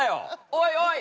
おいおい！